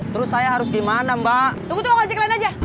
terus saya harus gimana mbak